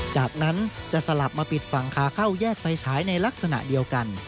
จากนั้นจะสลับมาปิดฝั่งขาเข้าแยกไฟฉายในลักษณะเดียวกัน